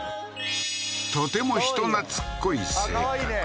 とても人懐っこい性格